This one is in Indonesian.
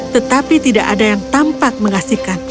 tetapi tidak ada yang tampak mengasihkan